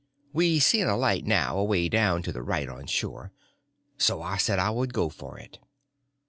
We seen a light now away down to the right, on shore. So I said I would go for it.